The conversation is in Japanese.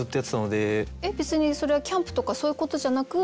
えっ別にそれはキャンプとかそういうことじゃなく？